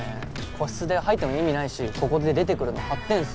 個室で入っても意味ないしここで出てくるの張ってんすよ。